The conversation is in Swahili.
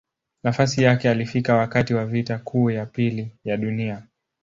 Nafasi yake alifika wakati wa Vita Kuu ya Pili ya Dunia.